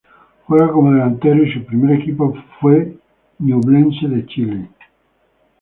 Juega como delantero y su primer equipo fue Ñublense de Chile.